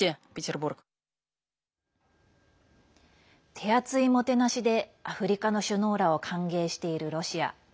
手厚いもてなしでアフリカの首脳らを歓迎しているロシア。